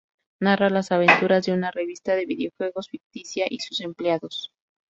Narra las aventuras de una revista de videojuegos ficticia y sus empleados.